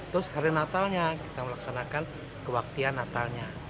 terus hari natalnya kita melaksanakan kebaktian natalnya